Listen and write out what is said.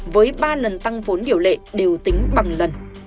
với ba lần tăng vốn điều lệ đều tính bằng lần